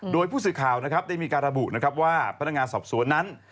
โดยผู้สื่อข่าวได้มีการระบุว่าพนักงานสอบสวนนั้น